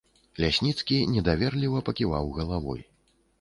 Лясніцкі недаверліва паківаў галавой.